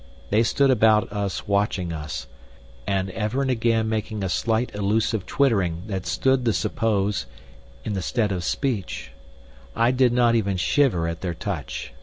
They stood about us watching us, and ever and again making a slight elusive twittering that stood, I suppose, in the stead of speech. I did not even shiver at their touch.